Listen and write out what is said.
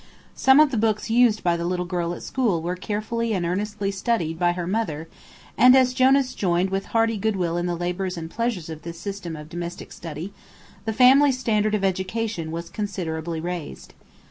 Some of the books used by the little girl at school were carefully and earnestly studied by her mother, and as Jonas joined with hearty good will in the labors and pleasures of this system of domestic study, the family standard of education was considerably raised.